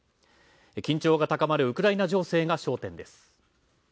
緊張が高まるウクライナ情勢が焦点です。